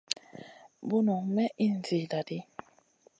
Bunu may ìhn zida di.